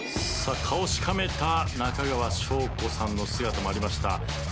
顔をしかめた中川翔子さんの姿もありました。